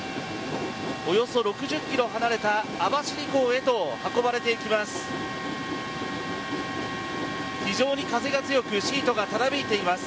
およそ６０ｋｍ離れた網走港へと運ばれていきます。